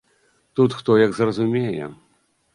Тут хто як зразумее.